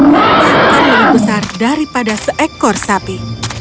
tidak ada orang yang lebih besar daripada seekor sapi